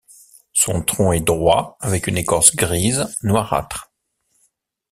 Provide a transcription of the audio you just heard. Son tronc est droit avec une écorce grise, noirâtre.